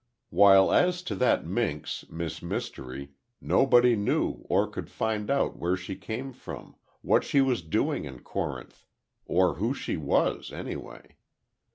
While as to that minx, Miss Mystery, nobody knew or could find out where she came from, what she was doing in Corinth, or who she was, anyway.